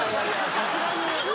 さすがに。